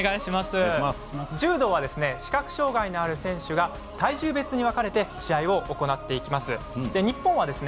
柔道は視覚障がいのある選手が体重別に分かれて試合を行っていきます。